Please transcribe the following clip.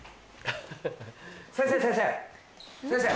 先生先生！